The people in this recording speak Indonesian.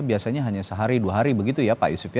biasanya hanya sehari dua hari begitu ya pak yusuf ya